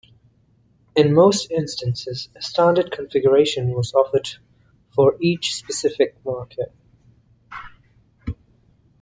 In most instances, a standard configuration was offered for each specific market.